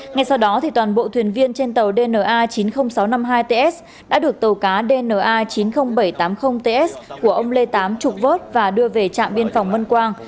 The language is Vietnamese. ngay sau đó toàn bộ thuyền viên trên tàu dna chín mươi nghìn sáu trăm năm mươi hai ts đã được tàu cá dna chín mươi nghìn bảy trăm tám mươi ts của ông lê tám trục vớt và đưa về trạm biên phòng mân quang